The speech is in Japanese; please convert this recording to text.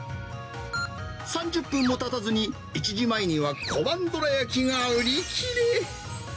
３０分もたたずに、１時前には小判どらやきが売り切れ。